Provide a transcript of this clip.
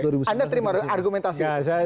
anda terima argumentasi itu